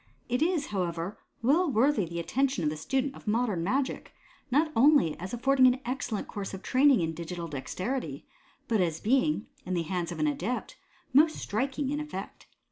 It is, however, well worthy the attention of the student of modem magic, not only as affording an excellent course of training in digital dexterity, but as being, in the hands of an adept, most striking in effect.